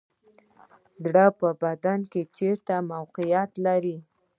زړه په بدن کې چیرته موقعیت لري